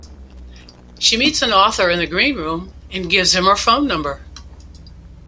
She meets an author in the green room and gives him her phone number.